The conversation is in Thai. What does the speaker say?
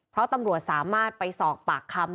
เพราะตำรวจสามารถไปสอบปากคำ